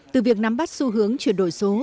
từ việc nắm bắt xu hướng chuyển đổi số